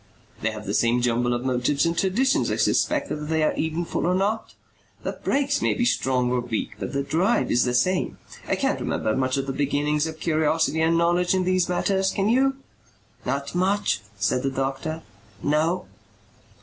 "They have the same jumble of motives and traditions, I suspect, whether they are eventful or not. The brakes may be strong or weak but the drive is the same. I can't remember much of the beginnings of curiosity and knowledge in these matters. Can you?" "Not much," said the doctor. "No."